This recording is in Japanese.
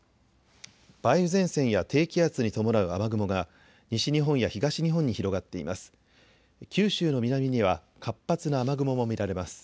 梅雨前線や低気圧に伴う雨雲が西日本や東日本に広がっています。